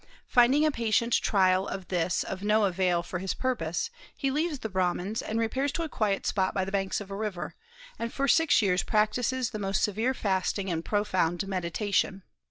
Finding a patient trial of this of no avail for his purpose, he leaves the Brahmans, and repairs to a quiet spot by the banks of a river, and for six years practises the most severe fasting and profound meditation.